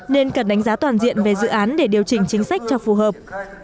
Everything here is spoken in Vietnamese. nên cần đánh giá toàn diện về dự án để điều chỉnh chính sách cho phù hợp